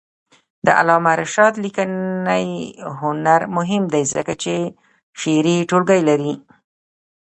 د علامه رشاد لیکنی هنر مهم دی ځکه چې شعري ټولګې لري.